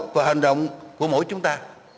và hành động của mỗi chúng ta